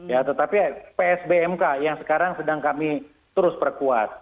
ya tetapi psbmk yang sekarang sedang kami terus perkuat